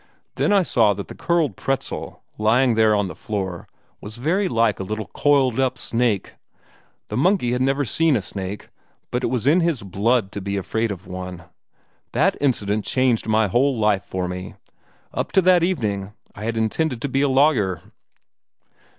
Then I saw that the curled pretzel, lying there on the floor, was very like a little coiled up snake. The monkey had never seen a snake, but it was in his blood to be afraid of one. That incident changed my whole life for me. Up to that evening, I had intended to be a lawyer."